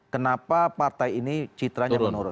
kenapa partai ini citranya menurun